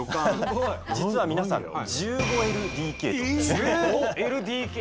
実は皆さん。